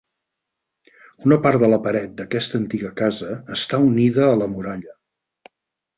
Una part de la paret d'aquesta antiga casa està unida a la muralla.